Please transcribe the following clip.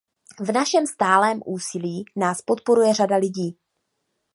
V našem stálém úsilí nás podporuje řada lidí.